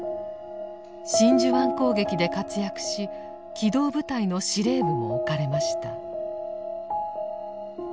真珠湾攻撃で活躍し機動部隊の司令部も置かれました。